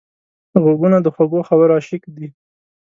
غوږونه د خوږو خبرو عاشق دي